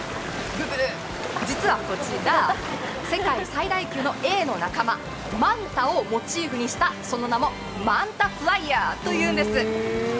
ブー、実はこちら、世界最大級のエイの仲間、マンタをモチーフにしたその名もマンタフライヤーと言うんです。